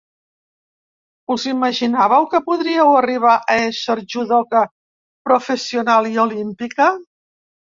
Us imaginàveu que podríeu arribar a ésser judoka professional i olímpica?